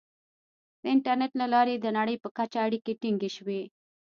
• د انټرنیټ له لارې د نړۍ په کچه اړیکې ټینګې شوې.